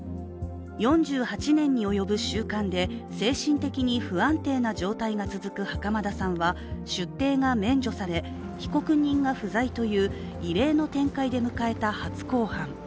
４８年に及ぶ収監で精神的に不安定な状態が続く袴田さんは出廷が免除され、被告人が不在という異例の展開で迎えた初公判。